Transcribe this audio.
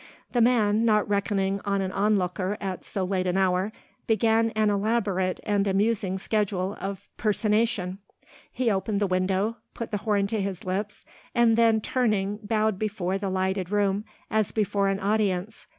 The man, not reckoning on an onlooker at so late an hour, began an elaborate and amusing schedule of personation. He opened the window, put the horn to his lips and then turning bowed before the lighted room as before an audience.